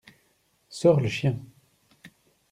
Sors le chien.